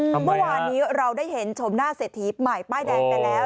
เมื่อวานนี้เราได้เห็นชมหน้าเศรษฐีใหม่ป้ายแดงไปแล้ว